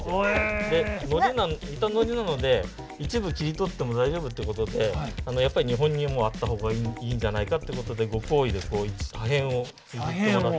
板ノリなので一部切り取っても大丈夫ということでやっぱり日本にもあった方がいいんじゃないかっていうことでご厚意で破片を譲ってもらった。